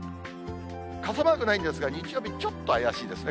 傘マークないんですが、日曜日、ちょっと怪しいですね。